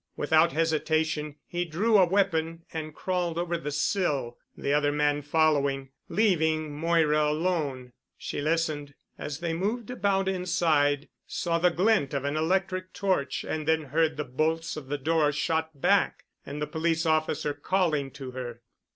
Without hesitation, he drew a weapon and crawled over the sill, the other man following, leaving Moira alone. She listened, as they moved about inside, saw the glint of an electric torch and then heard the bolts of the door shot back and the police officer calling to her.